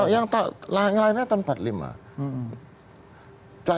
yang lainnya akan empat puluh lima